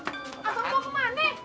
abang mau ke mana